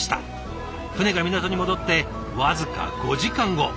船が港に戻って僅か５時間後。